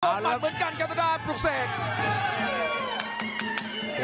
ตอบมันเหมือนกันกับตระดาษปลูกเสก